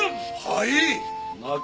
はい！